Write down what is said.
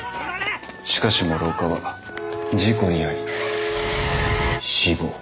しかし諸岡は事故に遭い死亡。